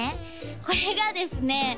これがですね